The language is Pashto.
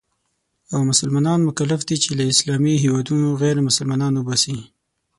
او مسلمانان مکلف دي چې له اسلامي هېوادونو غیرمسلمانان وباسي.